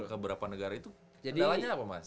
keberapa negara itu kendalanya apa mas